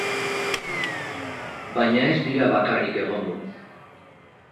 Baina ez dira bakarrik egongo.